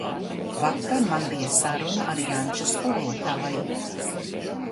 Vakar man bija saruna ar Janča skolotāju.